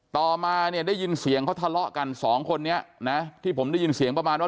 ต่อมาเนี่ยได้ยินเสียงเขาทะเลาะกันสองคนนี้นะที่ผมได้ยินเสียงประมาณว่า